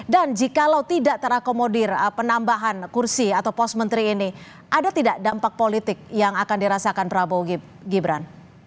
dan jika lo tidak terakomodir penambahan kursi atau pos menteri ini ada tidak dampak politik yang akan dirasakan prabowo gibran